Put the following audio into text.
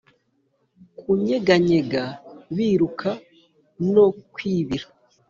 kunyeganyega biruka no kwibira